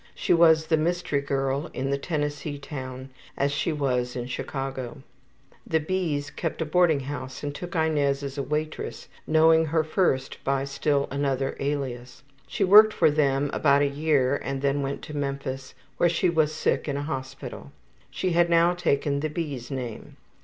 She was the ``mystery girl'' in the Tennessee town, as she was in Chicago. The B.'s kept a boarding house and took Inez as a waitress, knowing her first by still another alias. She worked for them about a year and then went to Memphis, where she was sick in a hospital. She had now taken the B.'s name.